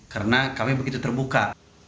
karena kami begitu terbuka